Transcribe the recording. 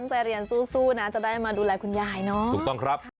จ้าดีมากดีมาก